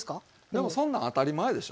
でもそんなん当たり前でしょ。